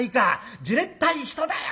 じれったい人だよ』